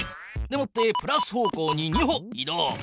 でもってプラス方向に２歩い動。